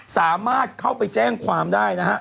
สามารถเข้าไปแจ้งความได้นะฮะ